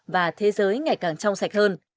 và thế giới ngày hôm nay